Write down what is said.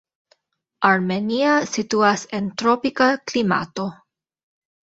Armenia situas en tropika klimato.